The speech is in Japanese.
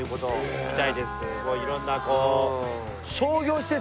もういろんなこう。